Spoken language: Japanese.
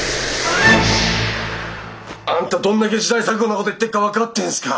あんたどんだけ時代錯誤なこと言ってっか分かってるんですか？